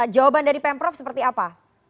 jawaban dari pemprov seperti apa